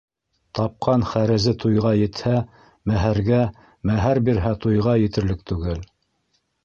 Тапҡан хәрезе туйға етһә — мәһәргә, мәһәр бирһә — туйға етерлек түгел.